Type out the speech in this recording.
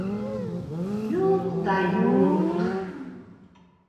Юҡ та юҡ.